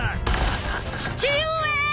［父上！］